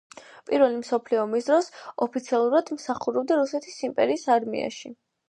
პირველი მსოფლიო ომის დროს ოფიცრად მსახურობდა რუსეთის იმპერიის არმიაში.